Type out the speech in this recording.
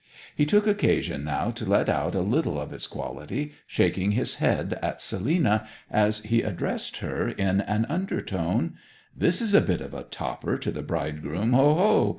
He took occasion now to let out a little of its quality, shaking his head at Selina as he addressed her in an undertone 'This is a bit of a topper to the bridegroom, ho ho!